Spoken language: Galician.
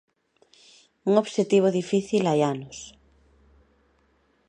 Un obxectivo difícil hai anos.